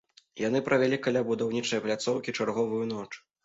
Яны правялі каля будаўнічай пляцоўкі чарговую ноч.